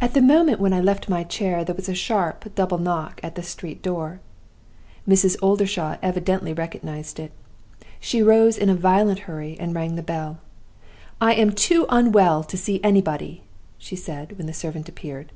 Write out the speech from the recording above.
"At the moment when I left my chair there was a sharp double knock at the street door. Mrs. Oldershaw evidently recognized it. She rose in a violent hurry, and rang the bell. 'I am too unwell to see anybody,' she said, when the servant appeared.